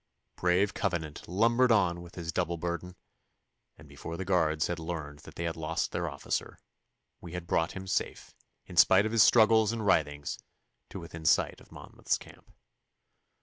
Brave Covenant lumbered on with his double burden, and before the Guards had learned that they had lost their officer, we had brought him safe, in spite of his struggles and writhings, to within sight of Monmouth's camp.